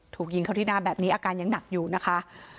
ถูกยิงเข้าที่หน้าแบบนี้อาการยังหนักอยู่นะคะ